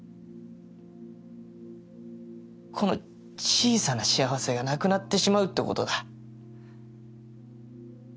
この小さな幸せがなくなってしまうってことだ。